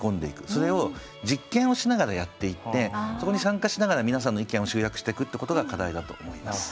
それを実験をしながらやっていってそこに参加しながら皆さんの意見を集約してくってことが課題だと思います。